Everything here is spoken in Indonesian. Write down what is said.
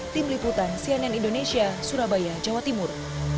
tim liputan cnn indonesia surabaya jawa timur